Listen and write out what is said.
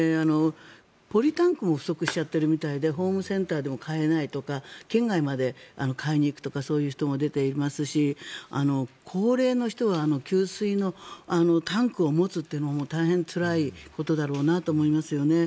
ポリタンクも不足しちゃっているみたいでホームセンターでも買えないとか県外まで買いに行くとかそういう人も出ていますし高齢の人は給水のタンクを持つというのも大変つらいことだろうなと思いますよね。